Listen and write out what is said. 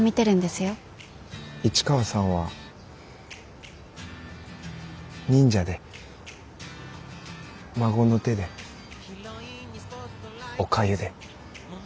市川さんは忍者で孫の手でおかゆで。